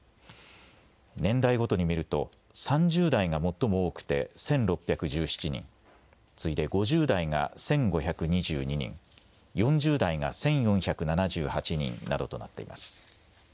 年代ごとに見ると３０代が最も多くて１６１７人、次いで５０代が１５２２人、４０代が１４７８人などとなっています。